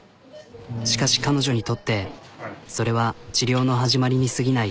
しかし彼女にとってそれは治療の始まりにすぎない。